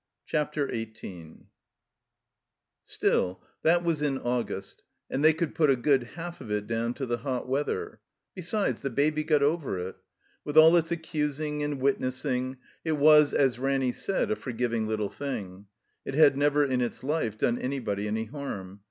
CHAPTER XVIII STILL, that was in August, and they could put a good half of it down to the hot weather. Besides, the Baby got over it. With all its ac cusing and witnessing, it was, as Ranny said, a for* giving little thing; it had never in its life done anybody any harm.